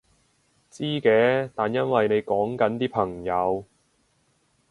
知嘅，但因為你講緊啲朋友